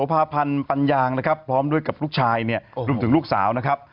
วันนี้ไวถึงดูเรื่องแรกนะครับ